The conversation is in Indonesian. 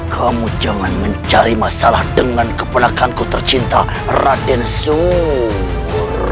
kamu jangan mencari masalah dengan keponakan ku tercinta raden suur